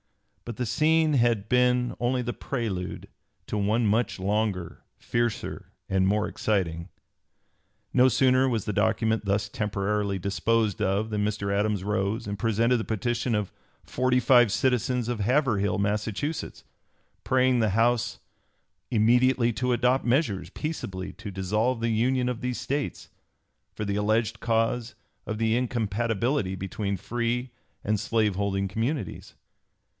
But the scene had been only the prelude to one much longer, fiercer, and more exciting. No sooner was the document thus temporarily disposed of than Mr. Adams rose and presented the petition of forty five citizens of Haverhill, Massachusetts, praying the House "immediately to adopt measures peaceably to dissolve the union of these States," for the alleged cause of the incompatibility (p. 281) between free and slave holding communities.